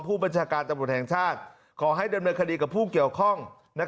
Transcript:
ผู้บัญชาการตำรวจแห่งชาติขอให้ดำเนินคดีกับผู้เกี่ยวข้อง